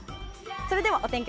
それではお天気